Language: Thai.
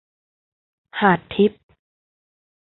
หาดทิพย์